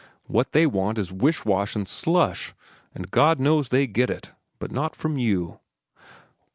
What they want is wish wash and slush, and God knows they get it, but not from you."